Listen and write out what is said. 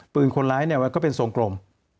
ปืนคนร้ายก็เป็นทรงกลม